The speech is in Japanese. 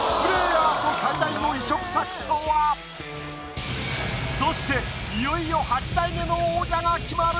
アート最大の異色作とは⁉そしていよいよ８代目の王者が決まる！